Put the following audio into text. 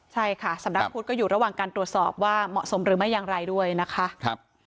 ใช่ค่ะสำนักพุทธก็อยู่ระหว่างการตรวจสอบว่าเหมาะสมหรือไม่อย่างไรด้วยนะคะ